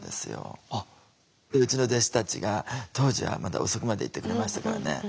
うちの弟子たちが当時はまだ遅くまでいてくれましたからね。